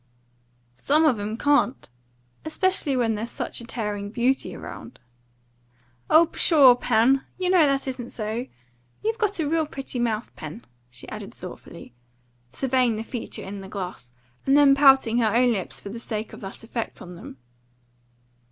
"Some of 'em can't especially when there's such a tearing beauty around." "Oh, pshaw, Pen! you know that isn't so. You've got a real pretty mouth, Pen," she added thoughtfully, surveying the feature in the glass, and then pouting her own lips for the sake of that effect on them.